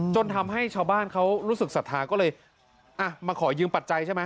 จนทำให้ชาวบ้านเขารู้สึกศรัทธาก็เลยอ่ะมาขอยืมปัจจัยใช่ไหม